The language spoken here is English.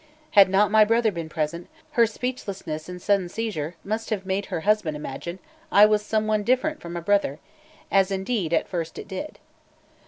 Had not my brother been present, her speechlessness and sudden seizure must have made her husband imagine I was some one different from a brother as indeed at first it did.